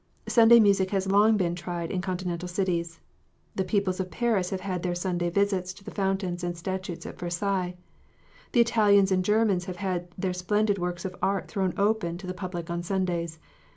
Sunday music has been long tried in Continental cities. The people of Paris have had their Sunday visits to the fountains and statues at Versailles. The Italians and Germans have had their splendid works of art thrown open to the public on Sundays.